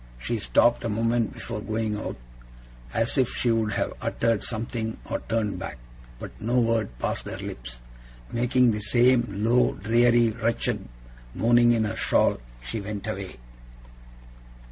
She stopped a moment before going out, as if she would have uttered something or turned back; but no word passed her lips. Making the same low, dreary, wretched moaning in her shawl, she went away.